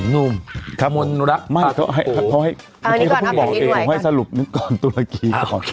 นุ่มขอบคุณนุรักษ์ภาพภูมิไม่เขาให้สรุปนึงก่อนตุรกี